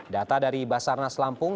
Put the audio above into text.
data dari basarnas lampung